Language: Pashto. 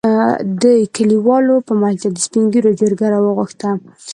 دې کليوالو په ملتيا د سپين ږېرو جرګه راوغښته.